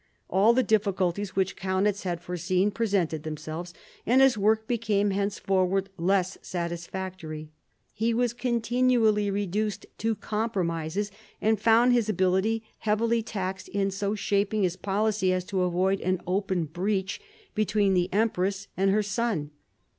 All the difficulties which Kaunitz had foreseen presented themselves, and his work became henceforward less satisfactory. He was continually reduced to compro mises, and found his ability heavily taxed in so shaping his policy as to avoid an open breach between the empress and her son.